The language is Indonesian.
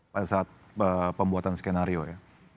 pada saat pembuatan skenario ya